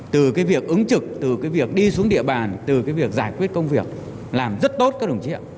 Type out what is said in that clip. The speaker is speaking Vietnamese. từ việc ứng trực từ việc đi xuống địa bàn từ việc giải quyết công việc làm rất tốt các đồng chí ạ